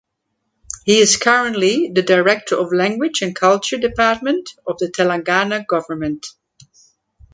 He is currently the director of Language and Culture department of the Telangana government.